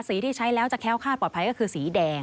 ที่ใช้แล้วจะแค้วคาดปลอดภัยก็คือสีแดง